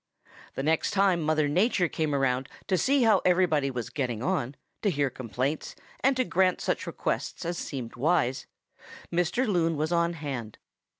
"The next time Mother Nature came around to see how everybody was getting on, to hear complaints, and to grant such requests as seemed wise, Mr. Loon was on hand.